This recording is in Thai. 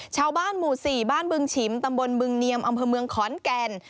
ชาวบ้านหมู่๔บ้านบึงฉิมตำบลบึงเนียมอำเภอเมืองขอนแก่น